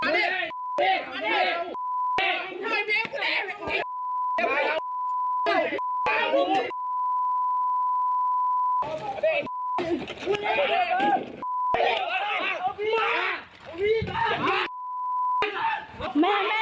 แม่แม่โทรแม่โทรจากบวชแม่